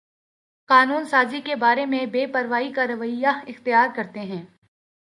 قانون سازی کے بارے میں بے پروائی کا رویہ اختیار کرتے ہیں